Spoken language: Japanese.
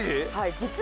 実は。